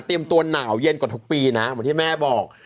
เตรียมตัวหนาวเย็นกว่าทุกปีนะอย่างที่แม่บอก